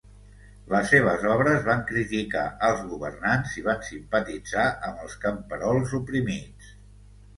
Les seves obres van criticar els governants i van simpatitzar amb els camperols oprimits.